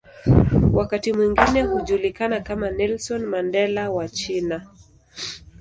Wakati mwingine hujulikana kama "Nelson Mandela wa China".